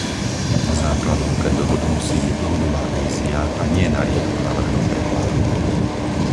Základom pre dohodu musí byť dlhodobá vízia a nie narýchlo navrhnuté plány.